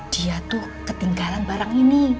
dia tuh ketinggalan barang ini